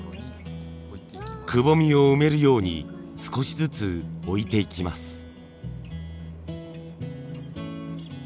くぼみを埋めるように少しずつ置いていきます。